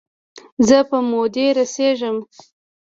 زه په مودې رسیږم